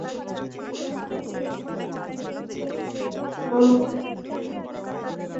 কোন অপশক্তি বাহাদুর নওজোয়ানদের হৃদয় খুলে নেয়?